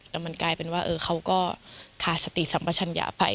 แล้วมันกลายเป็นว่าเขาก็ขาดสติสัมปชัญญาไป